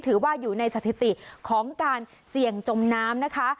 ถือว่าอยู่ในสถิติของการเสี่ยงจมน้ำนะคะ